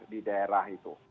di daerah itu